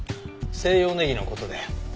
西洋ネギの事だよ。